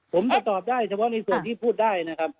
ผมจะตอบได้เฉพาะในส่วนที่พูดได้นะครับ